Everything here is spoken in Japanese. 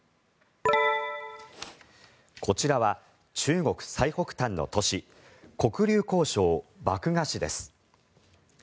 こちらは中国最北端の都市黒竜江省漠河市です。